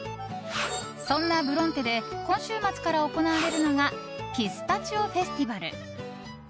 そんなブロンテで今週末から行われるのがピスタチオフェスティバル！